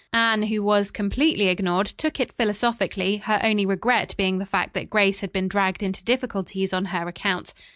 Anne, who was completely ignored, took it philosophically, her only regret being the fact that Grace had been dragged into difficulties on her account.